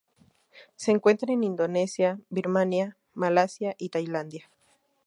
Se encuentra en Indonesia, Birmania, Malasia y Tailandia.